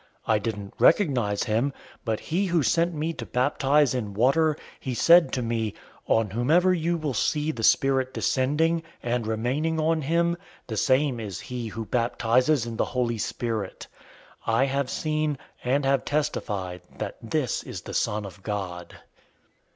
001:033 I didn't recognize him, but he who sent me to baptize in water, he said to me, 'On whomever you will see the Spirit descending, and remaining on him, the same is he who baptizes in the Holy Spirit.' 001:034 I have seen, and have testified that this is the Son of God."